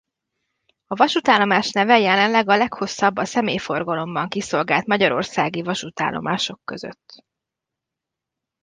A vasútállomás neve jelenleg a leghosszabb a személyforgalomban kiszolgált magyarországi vasútállomások között.